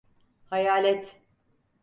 Hayalet.